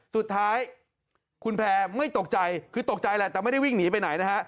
สุดท้ายคุณแพร่ไม่ตกใจคือตกใจแหละแต่ไม่ได้วิ่งหนีไปไหนนะฮะ